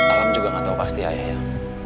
alham juga tidak tahu pasti ayah